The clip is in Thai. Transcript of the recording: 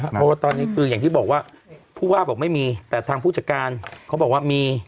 เพราะว่าตอนนี้คืออย่างที่บอกว่าผู้ว่าบอกไม่มีแต่ทางผู้จัดการเขาบอกว่ามี